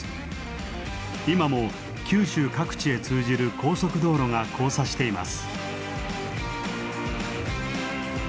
今も九州各地へ通じる高速道路が交差しています。